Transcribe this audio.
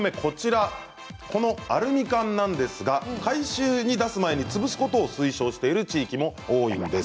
このアルミ缶なんですが回収に出す前に潰すことを推奨している地域も多いんです。